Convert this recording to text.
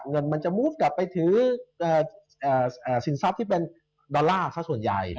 เงินมันจะมุดกลับไปถือสินทรัพย์ที่เป็นดอลลาร์สักส่วนใหญ่